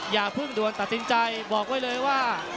อย่าเพิ่งด่วนตัดสินใจบอกไว้เลยว่า